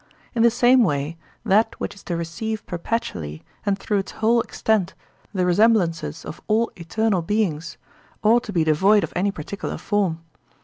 In the same way that which is to receive perpetually and through its whole extent the resemblances of all eternal beings ought to be devoid of any particular form.